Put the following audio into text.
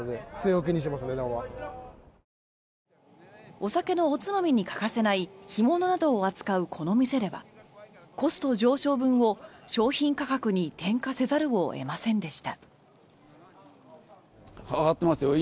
お酒のおつまみに欠かせない干物などを扱うこの店ではコスト上昇分を商品価格に転嫁せざるを得ませんでした。